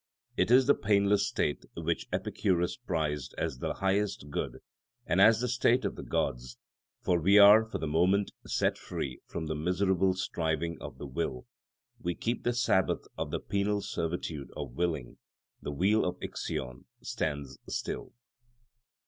It is the painless state which Epicurus prized as the highest good and as the state of the gods; for we are for the moment set free from the miserable striving of the will; we keep the Sabbath of the penal servitude of willing; the wheel of Ixion stands still.